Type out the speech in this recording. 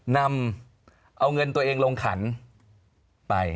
นำเอาเงินตัวเองลงขันไป